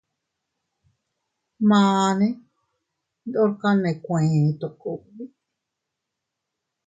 Mane ndorka nee kueeto kugbi.